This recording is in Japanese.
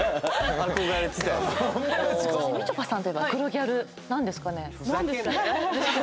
憧れてたよみちょぱさんといえば黒ギャルなんですかね